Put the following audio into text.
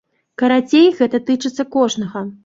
Карацей, гэта тычыцца кожнага!